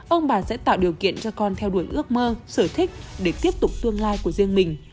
ông bà sẽ tạo điều kiện cho con theo đuổi ước mơ sở thích để tiếp tục tương lai của riêng mình